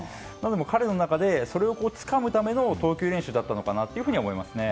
彼の中で、それをつかむための投球練習だったのかなというふうに思いますね。